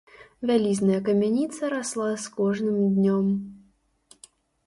Вялізная камяніца расла з кожным днём.